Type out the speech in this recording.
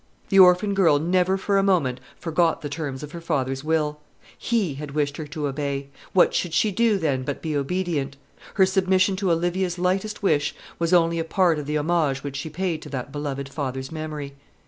The orphan girl never for a moment forgot the terms of her father's will. He had wished her to obey; what should she do, then, but be obedient? Her submission to Olivia's lightest wish was only a part of the homage which she paid to that beloved father's memory.